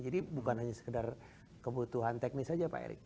jadi bukan hanya sekedar kebutuhan teknis saja pak erick